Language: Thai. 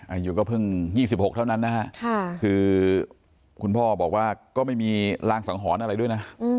อายุก็เพิ่ง๒๖เท่านั้นนะฮะคือคุณพ่อบอกว่าก็ไม่มีรางสังหรณ์อะไรด้วยนะ